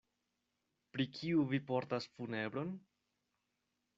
Pri kiu vi portas funebron?